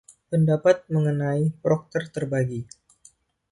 Pendapat mengenai Procter terbagi.